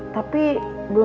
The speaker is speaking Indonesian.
tapi belum dibales